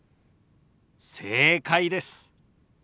正解です。